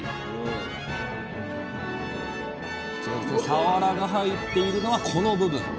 さわらが入っているのはこの部分。